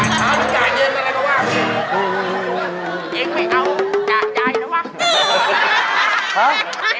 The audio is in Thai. งำแก่เรียนอะไรเปล่าพี่